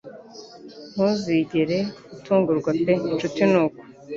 Ntuzigere utungurwa pe inshuti nuko.